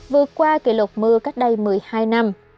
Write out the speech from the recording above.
vượt qua kỷ lục mưa cách đây một mươi hai năm